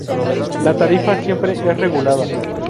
La tarifa siempre es regulada.